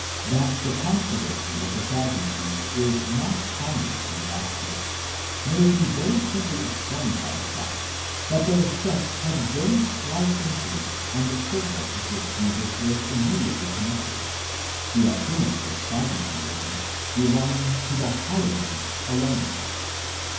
That the controversy with the Sadducees is not prominent in the Gospels, may be very simply explained by the fact that their sect had very slight influence on the circle with which Jesus was immediately connected, the adherents of Sadduceeism belonging to the higher ranks alone.!